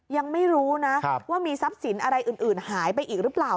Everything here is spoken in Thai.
ยังไม่รู้นะว่ามีทรัพย์สินอะไรอื่นหายไปอีกหรือเปล่า